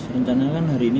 rencana kan hari ini